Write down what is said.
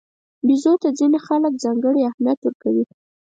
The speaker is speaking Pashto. بیزو ته ځینې خلک ځانګړی اهمیت ورکوي.